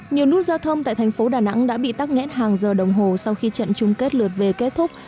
nhiều nút giao thông tại thành phố đà nẵng đã bị tắc nghẽn hàng giờ đồng hồ sau khi trận chung kết lượt về kết thúc